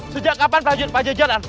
sejak kapan prajurit pajak jalan